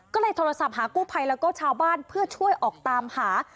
ก็เลยโทรศัพท์หากู้ภัยแล้วก็ชาวบ้านเพื่อช่วยออกตามหา